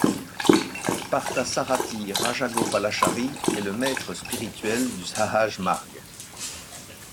Parthasarathi Rajagopalachari est le maître spirituel du Sahaj Marg.